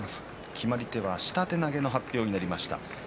決まり手は下手投げの発表になりました。